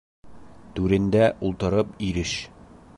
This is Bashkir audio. Түрендә ултырып иреш